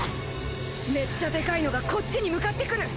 めっちゃデカイのがこっちに向かってくる！